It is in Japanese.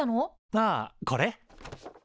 ああこれ？